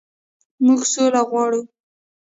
موږ سوله غواړو.